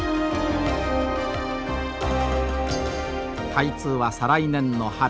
開通は再来年の春。